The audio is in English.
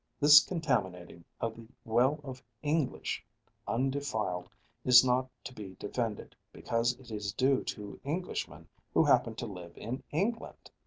This contaminating of the well of English undefiled is not to be defended because it is due to Englishmen who happen to live in England.